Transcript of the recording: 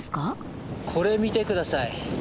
これ見て下さい。